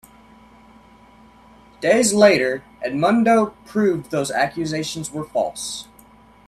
Days later, Edmundo proved those accusations were false.